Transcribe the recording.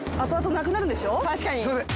確かに。